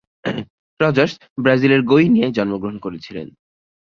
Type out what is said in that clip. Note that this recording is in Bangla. রজার্স ব্রাজিলের গোইনিয়ায় জন্মগ্রহণ করেছিলেন।